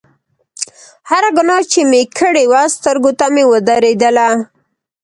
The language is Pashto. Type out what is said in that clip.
هره ګناه چې مې کړې وه سترګو ته مې ودرېدله.